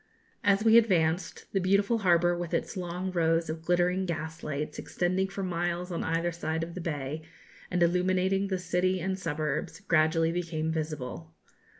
As we advanced, the beautiful harbour, with its long rows of glittering gas lights, extending for miles on either side of the bay, and illuminating the city and suburbs, gradually became visible.